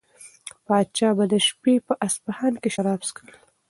پادشاه به د شپې په اصفهان کې شراب څښل.